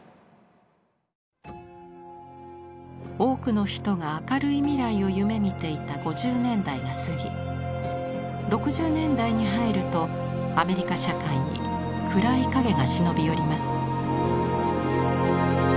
多くの人が明るい未来を夢みていた５０年代が過ぎ６０年代に入るとアメリカ社会に暗い影が忍び寄ります。